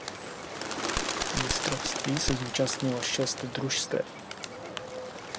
Mistrovství se zúčastnilo šest družstev.